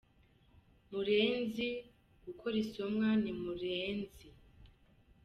Murenzi , uko risomwa ni Mureenzî.